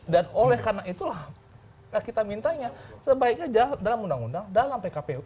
dan oleh karena itulah kita mintanya sebaiknya dalam undang undang dalam pkpu